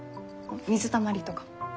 水たまりとかも。